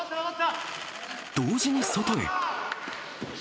同時に外へ。